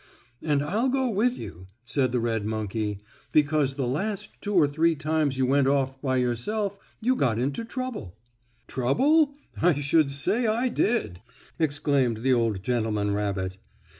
"And I'll go with you," said the red monkey; "Because the last two or three times you went off by yourself you got into trouble." "Trouble? I should say I did!" exclaimed the old gentleman rabbit.